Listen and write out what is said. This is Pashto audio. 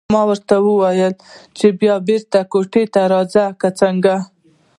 ما ورته وویل چې بیا بېرته کوټې ته راځو که څنګه.